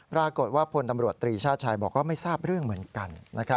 ปรากฏว่าพลตำรวจตรีชาติชายบอกว่าไม่ทราบเรื่องเหมือนกัน